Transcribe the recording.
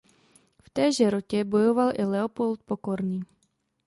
V téže rotě bojoval i Leopold Pokorný.